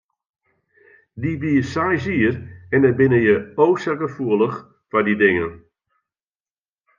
Dy wie seis jier en dan binne je o sa gefoelich foar dy dingen.